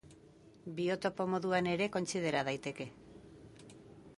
Biotopo moduan ere kontsidera daiteke.